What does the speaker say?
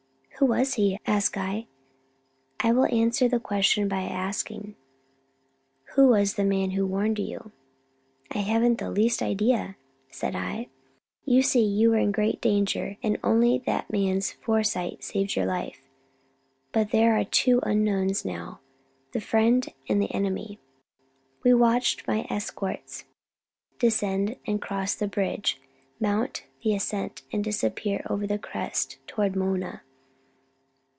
"Who was he?" asked I. "I will answer the question by asking: Who was the man who warned you?" "I haven't the least idea," said I. "You see, you were in great danger, and only that man's foresight saved your life. But there are two unknowns now the friend and the enemy." We watched my escorts descend and cross the bridge, mount the ascent and disappear over the crest toward Mona.